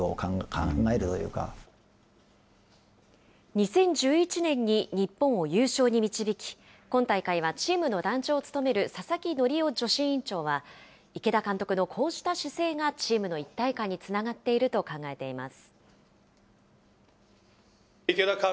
２０１１年に日本を優勝に導き、今大会はチームの団長を務める佐々木則夫女子委員長は、池田監督のこうした姿勢が、チームの一体感につながっていると考えています。